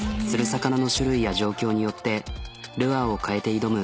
魚の種類や状況によってルアーを換えて挑む。